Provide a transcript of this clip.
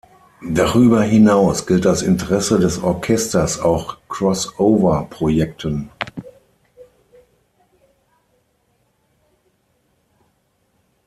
Darüber hinaus gilt das Interesse des Orchesters auch „Cross-over“-Projekten.